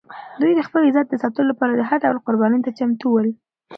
دوی د خپل عزت د ساتلو لپاره هر ډول قربانۍ ته چمتو ول.